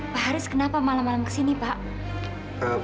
pak haris kenapa malam malam ke sini pak